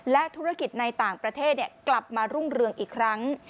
และธุรกิจในต่างประเทศกลับมารุ่งเรืองอีกครั้ง